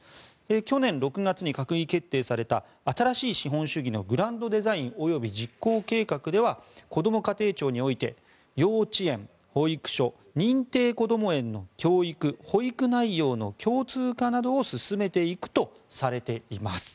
去年６月に閣議決定された「新しい資本主義のグランドデザイン及び実行計画」ではこども家庭庁において幼稚園、保育所、認定こども園の教育・保育内容の共通化などを進めていくとされています。